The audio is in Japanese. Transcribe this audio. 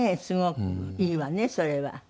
すごくいいわねそれは。